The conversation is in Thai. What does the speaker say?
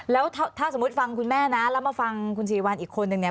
แล้วถ้าสมมุติฟังคุณแม่นะแล้วมาฟังคุณศรีวัลอีกคนนึงเนี่ย